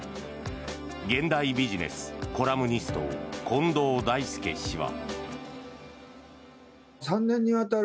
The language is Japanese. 「現代ビジネス」のコラムニスト近藤大介氏は。